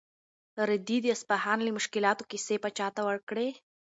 رېدي د اصفهان د مشکلاتو کیسې پاچا ته وکړې.